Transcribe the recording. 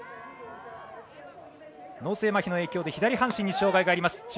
脳性まひの影響で左半身にまひがあります。